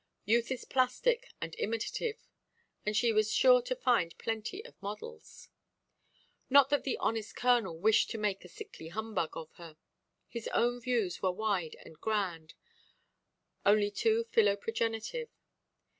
Youth is plastic and imitative; and she was sure to find plenty of models. Not that the honest Colonel wished to make a sickly humbug of her. His own views were wide and grand, only too philoprogenitive.